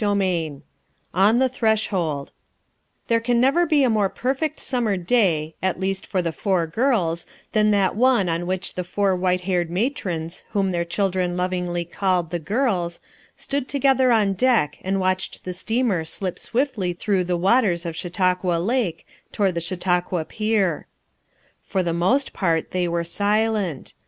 CHAPTER IV ON THE THRESHOLD There can never be a more perfect summer day, at least for the "Four Girls" than that one on which the four white haired matrons whom their children lovingly called "the girls," stood together on deck and watched the steamer slip swiftly through the waters of Chautauqua Lake toward the Chautauqua pier. For the most part they were silent.